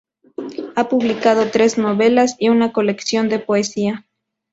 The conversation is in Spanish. Ha publicado tres novelas y una colección de poesía.